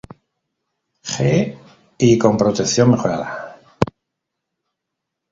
G y con protección mejorada.